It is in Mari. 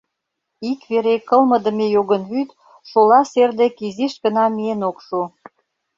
Ик вере кылмыдыме йогын вӱд шола сер дек изиш гына миен ок шу.